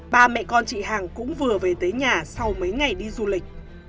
ba mẹ con chị hàng cũng vừa về tới nhà sau mấy ngày đi du lịch